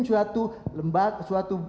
suatu lembak suatu